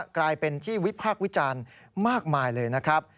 กลายเป็นที่วิพากษ์วิจารณ์มากมายเลยนะครับ